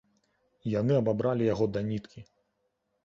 Яны абабралі яго да ніткі.